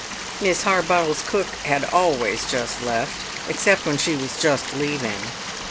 Miss Harbottle's cook had always just left, except when she was just leaving.